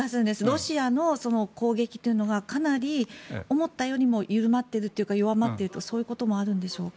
ロシアの攻撃というのがかなり思ったよりも緩まっているというか弱まっているというかそういうこともあるんでしょうか？